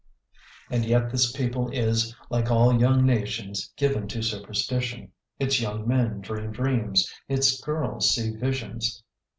And yet this people is, like all young nations, given to superstition: its young men dream dreams, its girls see visions.